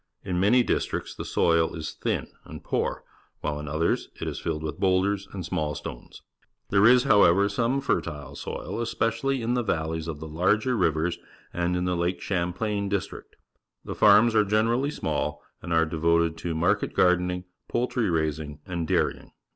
In many districts the soil is thin and poor, while in others it is filled with boulders and small stones. There is, however, some fertile soil, especially in the valleys of the larger rivers and in the Lake Champlain district. The farms are generally small and are devoted to market gardening, poultry raising, and dairying.